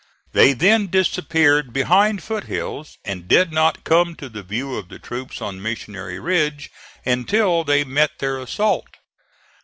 They then disappeared behind foot hills, and did not come to the view of the troops on Missionary Ridge until they met their assault.